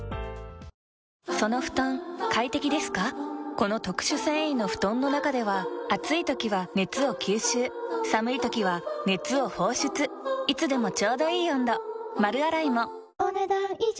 この特殊繊維の布団の中では暑い時は熱を吸収寒い時は熱を放出いつでもちょうどいい温度丸洗いもお、ねだん以上。